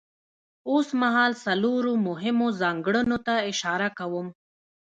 اوسمهال څلورو مهمو ځانګړنو ته اشاره کوم.